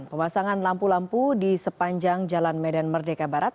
pemasangan lampu lampu di sepanjang jalan medan merdeka barat